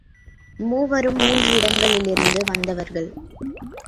மூவரும் மூன்று இடங்களிலிருந்து வந்தவர்கள்.